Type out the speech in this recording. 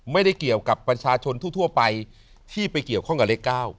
ไม่ได้เกี่ยวกับประชาชนทั่วไปที่ไปเกี่ยวข้องกับเลข๙